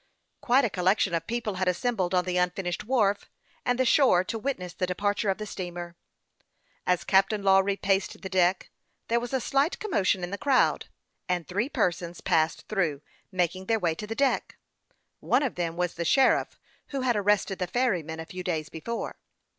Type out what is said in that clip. Quite a collection of people had assembled on the unfinished wharf and the shore to witness the departure of the steamer. As Captain Lawry paced the deck, there was a slight commo tion in the crowd, and three persons passed through, making their way to the deck. One of them was the sheriff who had arrested the ferryman a few days before.